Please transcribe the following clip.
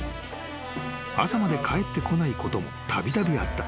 ［朝まで帰ってこないこともたびたびあった］